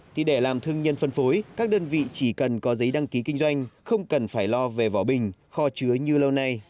thì để làm thương nhân phân phối các đơn vị chỉ cần có giấy đăng ký kinh doanh không cần phải lo về vỏ bình kho chứa như lâu nay